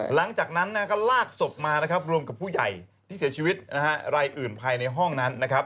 หลังจากนั้นก็ลากศพมานะครับรวมกับผู้ใหญ่ที่เสียชีวิตนะฮะรายอื่นภายในห้องนั้นนะครับ